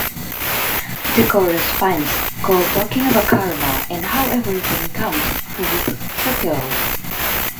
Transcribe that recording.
The chorus finds Cole talking about karma and how "everything comes full circle".